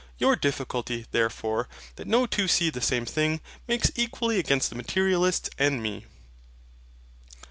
Your difficulty, therefore, that no two see the same thing, makes equally against the Materialists and me.